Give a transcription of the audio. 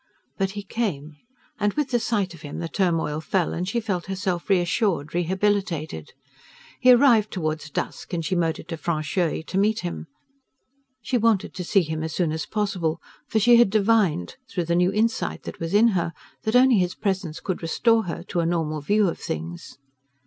But he came; and with the sight of him the turmoil fell and she felt herself reassured, rehabilitated. He arrived toward dusk, and she motored to Francheuil to meet him. She wanted to see him as soon as possible, for she had divined, through the new insight that was in her, that only his presence could restore her to a normal view of things.